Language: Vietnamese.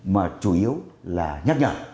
mà chủ yếu là nhắc nhở